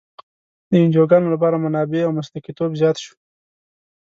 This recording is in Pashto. د انجوګانو لپاره منابع او مسلکیتوب زیات شو.